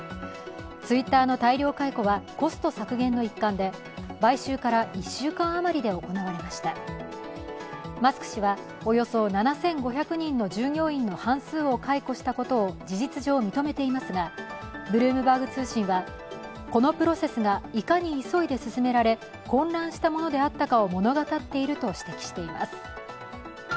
ツイッターの大量解雇はコスト削減の一環で買収から１週間余りで行われましたマスク氏はおよそ７５００人の従業員の半数を解雇したことを事実上、認めていますがブルームバーグ通信は、このプロセスがいかに急いで進められ、混乱したものであったかを物語っていると指摘しています。